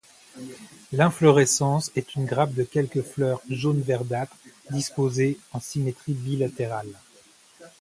L'inflorescence est une grappe de quelques fleurs jaune-verdâtre disposées en symétrie bilatérale.